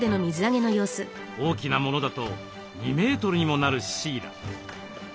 大きなものだと２メートルにもなるシイラ。